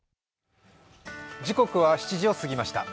時刻は７時を過ぎました。